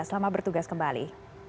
selamat bertugas kembali